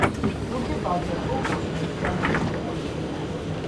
Winter buds are ovoid and densely downy.